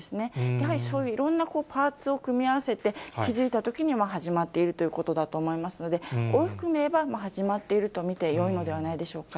やはりそういういろんなパーツを組み合わせて、気付いたときには始まっているということだと思いますので、大きく見れば始まっていると見てよいのではないでしょうか。